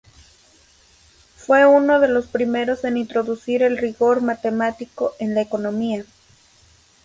Fue uno de los primeros en introducir el rigor matemático en la economía.